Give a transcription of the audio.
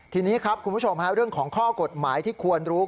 ทีนี้ครับคุณผู้ชมเรื่องของข้อกฎหมายที่ควรรู้